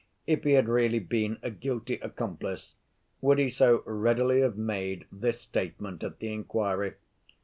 If he had really been a guilty accomplice, would he so readily have made this statement at the inquiry?